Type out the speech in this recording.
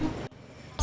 jalannya cepat amat